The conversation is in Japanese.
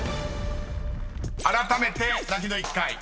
［あらためて泣きの１回］